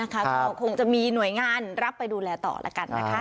ก็คงจะมีหน่วยงานรับไปดูแลต่อแล้วกันนะคะ